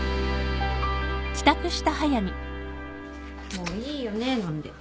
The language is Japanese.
もういいよね飲んで。